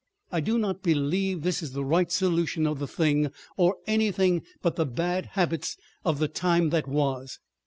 I do not believe this is the right solution of the thing, or anything but the bad habits of the time that was.